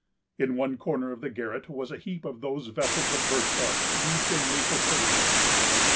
In one corner of the garret was a heap of those vessels of birch bark used in maple sugar making.